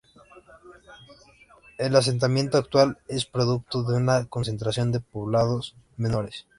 El asentamiento actual es producto de una concentración de poblados menores.